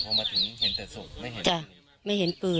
นางศรีพรายดาเสียยุ๕๑ปี